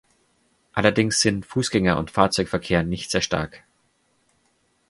Allerdings sind Fußgänger- und Fahrzeugverkehr nicht sehr stark.